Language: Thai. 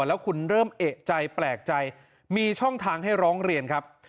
แล้วคุณเริ่มเอกใจแปลกใจมีช่องทางให้ร้องเรียนครับ